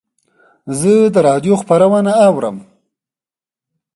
زه د رادیو خپرونه اورم.